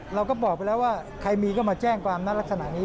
เราก็บอกไปแล้วว่าใครมีก็มาแจ้งความนั้นลักษณะนี้